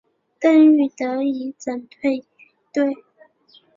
邓禹得以整顿军队。